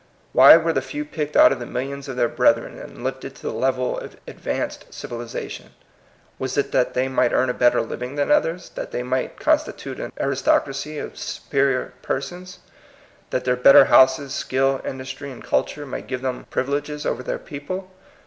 Why were the few picked out of the mil lions of their brethren, and lifted to the level of advanced civilization? Was it that they might earn a better living than others, that they might constitute an aris tocracy of superior persons, that their better houses, skill, industry, and culture might give them privileges over their people?